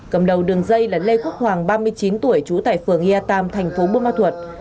cầm đầu đường dây là lê quốc hoàng ba mươi chín tuổi trú tại phường ea tam thành phố bô ma thuật